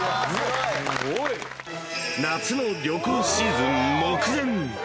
［夏の旅行シーズン目前］